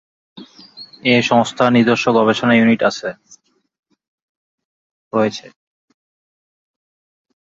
এ সংস্থার নিজস্ব গবেষণা ইউনিট রয়েছে।